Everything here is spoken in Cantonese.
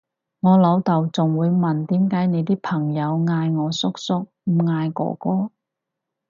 我老豆仲會問點解你啲朋友嗌我叔叔唔嗌哥哥？